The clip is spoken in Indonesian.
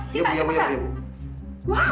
sita cepet lah